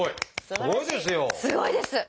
すごいですよ。